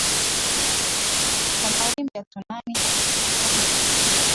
kwa mawimbi ya tsunami hapo kesho kuanzia kesho